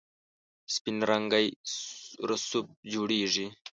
سپین رنګی رسوب جوړیږي.